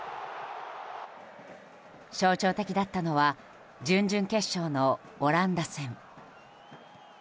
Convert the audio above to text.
象徴的だったのは準々決勝のオランダ戦。